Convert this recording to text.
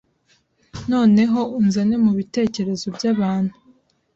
Noneho unzane mubitekerezo byabantu